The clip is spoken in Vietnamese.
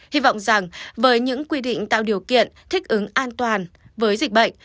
hy vọng rằng với những quy định tạo điều kiện thích ứng an toàn với dịch bệnh